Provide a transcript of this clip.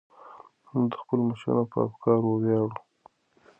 موږ د خپلو مشرانو په افکارو ویاړو.